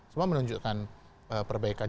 semua menunjukkan perbaikan